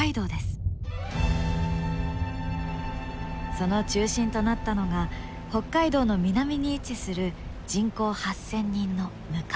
その中心となったのが北海道の南に位置する人口８，０００人のむかわ町。